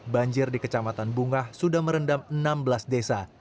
banjir di kecamatan bungah sudah merendam enam belas desa